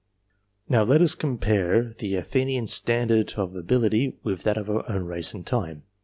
Now let us attempt to compare the Athenian standard of ability with that of our own race and time.